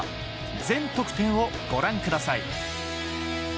全得点をご覧ください。